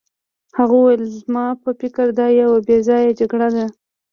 هغه وویل زما په فکر دا یوه بې ځایه جګړه ده.